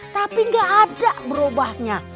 tapi gak ada berubahnya